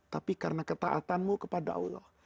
tapi karena ketaatanmu kepada allah